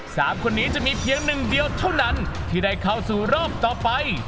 สามคนนี้จะมีเพียงหนึ่งเดียวเท่านั้นที่ได้เข้าสู่รอบต่อไป